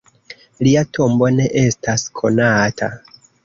Lia tombo ne estas konata.